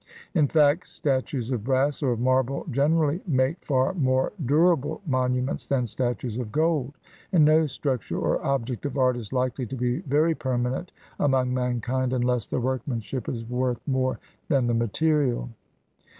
In fact, stat ues of brass or of marble generally make far more du rable monuments than statues of gold ; and no structure or object of art is likely to be very permanent among mankind unless the workmanship is worth more than the material.